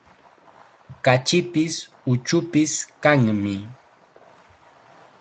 Kachipis, uchupis kanmi.